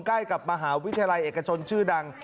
ใกล้กับมหาวิทยาลัยเอกชนชื่อดัง